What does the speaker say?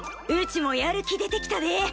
うちもやる気出てきたで！